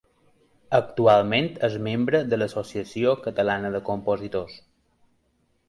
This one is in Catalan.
Actualment és membre de l'Associació Catalana de Compositors.